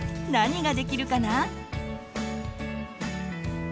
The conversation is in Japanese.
何ができるかな？